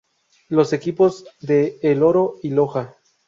Los equipos de El Oro y Loja.